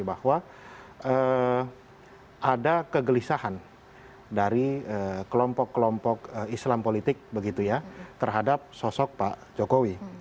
bahwa ada kegelisahan dari kelompok kelompok islam politik begitu ya terhadap sosok pak jokowi